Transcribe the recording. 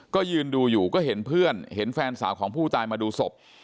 ก็ยืนดูอยู่ก็เห็นเพื่อนเห็นแฟนสาวของผู้ตายมาดูศพ